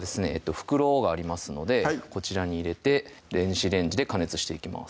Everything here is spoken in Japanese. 袋がありますのでこちらに入れて電子レンジで加熱していきます